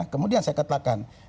kemudian saya katakan